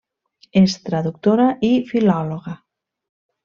És traductora i filòloga.